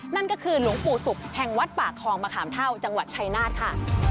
นั่นก็คือหลวงปู่ศุกร์แห่งวัดป่าคลองมะขามเท่าจังหวัดชัยนาธค่ะ